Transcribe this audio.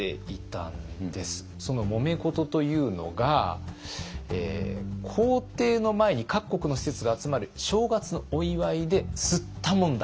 そのもめ事というのが皇帝の前に各国の使節が集まる正月のお祝いですったもんだがあったと。